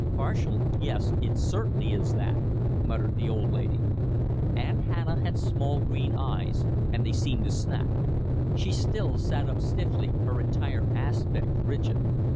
"'Partial' yes, it certainly is that," muttered the old lady. Aunt Hannah has small green eyes, and they seemed to snap. She still sat up stiffly, her entire aspect rigid.